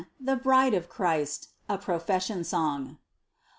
THE BRIDE OF CHRIST. A PROFESSION SONG.